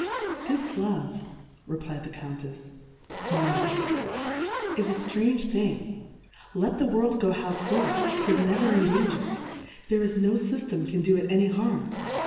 This Love^ reflfd the Coun^efs^ fmi ling, is a ftrange Thing; let the World go how 'twill, 'tis never in Danger ; there is no Syftem can do it any harm.